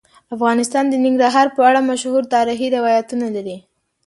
افغانستان د ننګرهار په اړه مشهور تاریخی روایتونه لري.